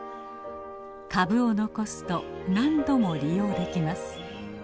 株を残すと何度も利用できます。